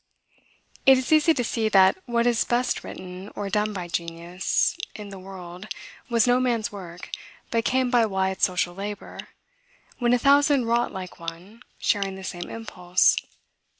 It is easy to see that what is best written or done by genius, in the world, was no man's work, but came by wide social labor, when a thousand wrought like one, sharing the same impulse.